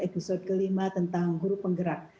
episode kelima tentang guru penggerak